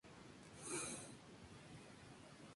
Su alma se venera en el Santuario Meiji de Tokio.